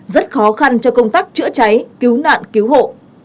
rất khó khăn cho công tác chữa cháy cứu nạn cứu hộ